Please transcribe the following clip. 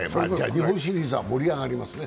日本シリーズは盛り上がりますね。